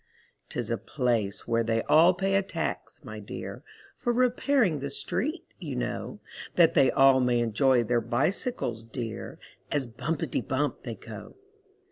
'Tis a place where they all pay a tax, my dear, For repairing the street, you know, That they all may enjoy their bicycles, dear, As "bumpety bump" they go.